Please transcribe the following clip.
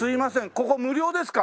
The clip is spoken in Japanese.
ここ無料ですか？